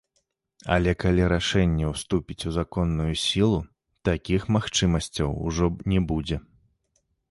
Але калі рашэнне ўступіць у законную сілу, такіх магчымасцяў ужо не будзе.